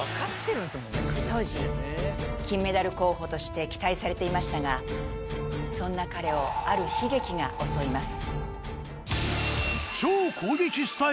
当時金メダル候補として期待されていましたがそんな彼をある悲劇が襲います。